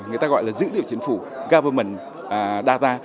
người ta gọi là dữ liệu chính phủ government data